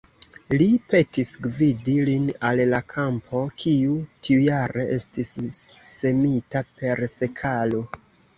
Li petis gvidi lin al la kampo, kiu tiujare estis semita per sekalo.